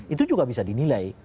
itu juga bisa dinilai